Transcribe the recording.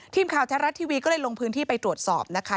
ทีมข่าวแท้รัฐทีวีก็เลยลงพื้นที่ไปตรวจสอบนะคะ